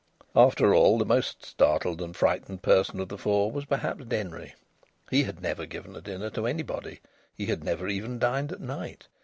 After all, the most startled and frightened person of the four was perhaps Denry. He had never given a dinner to anybody. He had never even dined at night.